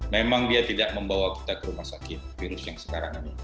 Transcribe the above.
memang dia tidak membawa kita ke rumah sakit virus yang sekarang ini